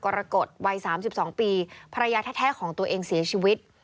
กรกฎวัยสามสิบสองปีภรรยาแท้ของตัวเองเสียชีวิต